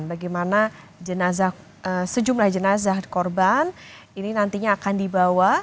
bagaimana sejumlah jenazah korban ini nantinya akan dibawa